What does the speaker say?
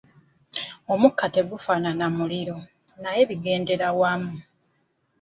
Omukka tegufaanana muliro, naye bigenda wamu.